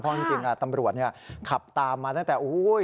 เพราะจริงตำรวจขับตามมาตั้งแต่